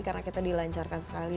karena kita dilancarkan sekali